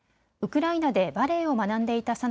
ウクライナでバレエを学んでいた